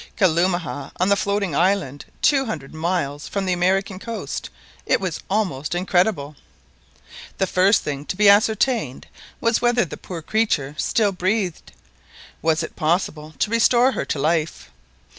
Kalumah on the floating island, two hundred miles from the American coast. It was almost incredible! The first thing to be ascertained was whether the poor creature still breathed. Was it possible to restore her to life?